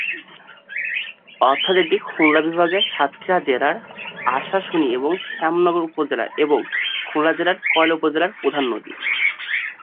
অর্থাৎ এটি খুলনা বিভাগের সাতক্ষীরা জেলার আশাশুনি এবং শ্যামনগর উপজেলার এবং খুলনা জেলার কয়রা উপজেলার প্রধান নদী।